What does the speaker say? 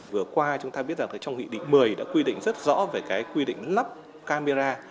vừa qua chúng ta biết rằng trong nghị định một mươi đã quy định rất rõ về cái quy định lắp camera